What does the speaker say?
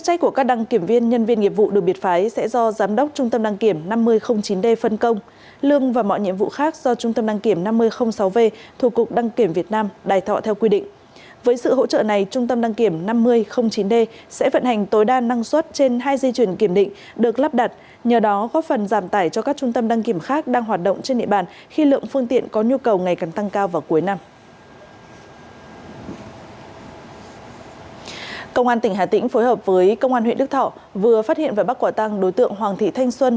công an tỉnh hà tĩnh phối hợp với công an huyện đức thọ vừa phát hiện và bắt quả tăng đối tượng hoàng thị thanh xuân